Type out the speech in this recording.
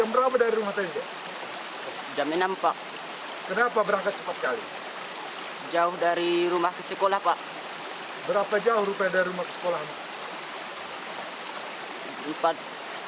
berapa jauh rupiah dari rumah ke sekolah